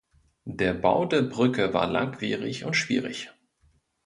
Der Bau der Brücke war langwierig und schwierig.